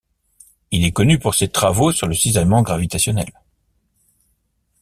Il est connu pour ses travaux sur le cisaillement gravitationnel.